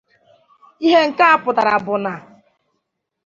Ihe nke a pụtara bụ na